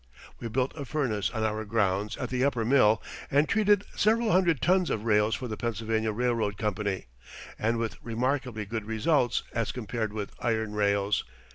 We built a furnace on our grounds at the upper mill and treated several hundred tons of rails for the Pennsylvania Railroad Company and with remarkably good results as compared with iron rails.